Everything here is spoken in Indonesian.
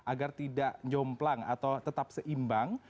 agar tidak nyomplang atau tetap seimbang